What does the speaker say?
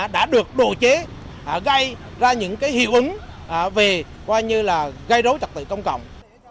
đã được đồ chế gây ra những hiệu ứng về gây rối chặt tình công cộng